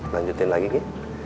lanjutin lagi nih